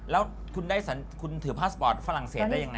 แล้วคุณถือพาสปอร์ตฝรั่งเศสได้ยังไง